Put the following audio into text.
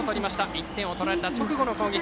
１点を取られた直後の攻撃。